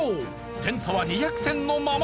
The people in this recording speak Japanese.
点差は２００点のまま。